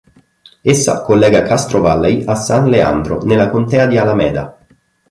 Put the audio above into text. Essa collega Castro Valley a San Leandro, nella contea di Alameda.